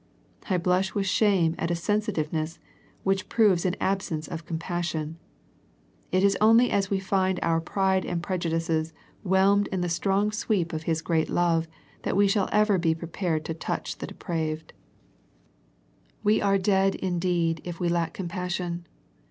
I blush with shame at a sensitiveness which proves an absence of compassion. It is only as we find our pride and prejudices whelmed in the strong sweep of His great love that we shall ever be prepared to touch the depraved. 154 A First Century Message We are dead indeed if we lack compassion.